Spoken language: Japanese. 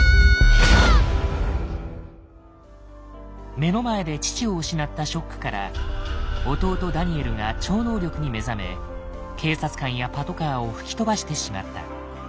目の前で父を失ったショックから弟ダニエルが超能力に目覚め警察官やパトカーを吹き飛ばしてしまった。